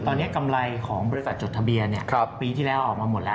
ตอนนี้กำไรของบริษัทจดทะเบียนปีที่แล้วออกมาหมดแล้ว